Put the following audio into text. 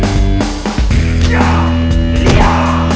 kamu mau tau saya siapa sebenarnya